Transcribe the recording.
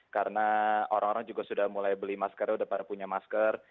karena orang orang juga sudah mulai beli masker sudah punya masker